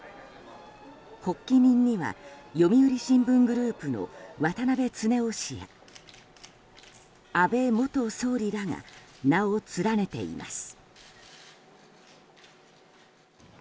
発起人には読売新聞グループの渡辺恒雄氏や安倍元総理らが名を連ねています。